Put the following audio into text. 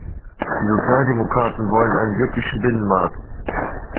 Die Sozialdemokraten wollen einen wirklichen Binnenmarkt.